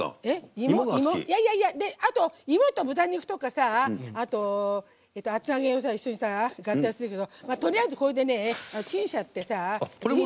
あと、芋と豚肉とかあと、厚揚げを一緒に合体するけど、とりあえずこれでチンしちゃってさ。